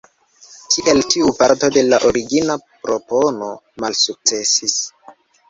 Tiel tiu parto de la origina propono malsukcesis.